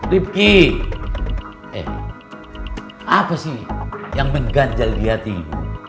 rifki eh apa sih yang mengganjal di hatimu